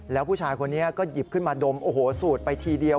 แล้วผู้ชายคนนี้ก็หยิบขึ้นมาดมโอ้โหสูดไปทีเดียว